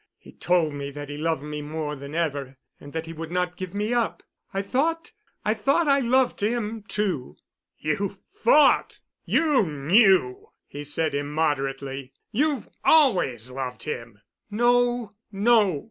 He told me that he loved me more than ever and that he would not give me up. I thought—I thought I loved him, too——" "You thought! You knew!" he said immoderately. "You've always loved him." "No, no.